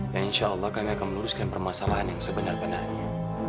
dan insya allah kami akan meluruskan permasalahan yang sebenar benarnya